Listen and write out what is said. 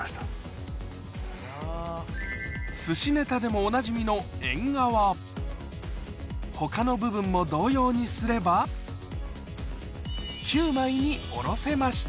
寿司ネタでもおなじみの他の部分も同様にすれば９枚におろせました